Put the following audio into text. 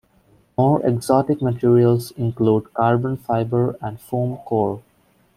More exotic materials include carbon fiber and foam core.